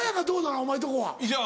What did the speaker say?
お前んとこは。